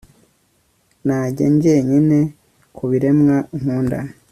Najya jyenyine kubiremwa nkunda